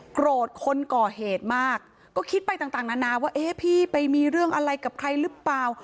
โกรธคนก่อเหตุมากก็คิดไปต่างนานาว่าเอ๊ะพี่ไปมีเรื่องอะไรกับใครหรือเปล่า